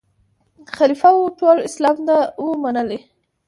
خلیفه وو ټول اسلام ته وو منلی